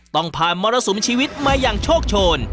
ต้องผ่านมรสุมชีวิตมาอย่างโชคโชน